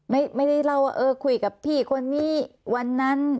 ไม่ได้เล่าว่าเออคุยกับพี่คนนี้วันนั้น